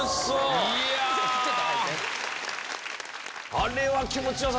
あれは気持ちよさ